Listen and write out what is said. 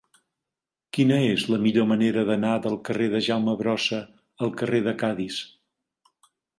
Quina és la millor manera d'anar del carrer de Jaume Brossa al carrer de Cadis?